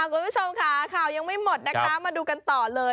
คุณผู้ชมค่ะข่าวยังไม่หมดนะคะมาดูกันต่อเลย